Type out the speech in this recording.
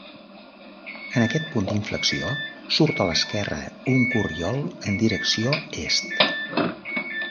En aquest punt d'inflexió, surt a l'esquerra un corriol en direcció est.